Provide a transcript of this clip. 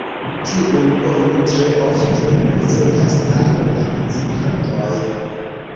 Tiun oni tre ofte prezentas al la vizitantoj.